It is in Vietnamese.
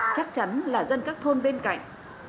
chắc chắn là dân các thôn bên cạnh